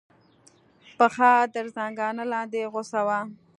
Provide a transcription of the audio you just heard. پښه تر زنګانه لاندې غوڅه وه.